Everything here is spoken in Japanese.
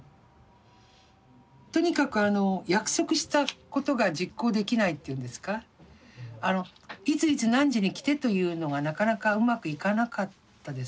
とにかく約束したことが実行できないっていうんですかいついつ何時に来てというのがなかなかうまくいかなかったですね。